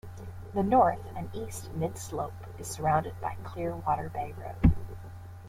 The north and east mid slope is surrounded by Clear Water Bay Road.